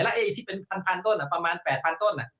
ไอ้ที่เป็นพันต้นประมาณ๘๐๐ต้น